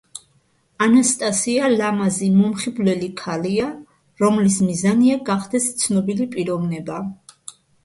ანასტასია ლამაზი, მომხიბვლელი ქალია, რომლის მიზანია გახდეს ცნობილი პიროვნება.